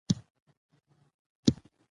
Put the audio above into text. مور وویل چې ماشوم باید درس ولولي.